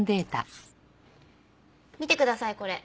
見てくださいこれ。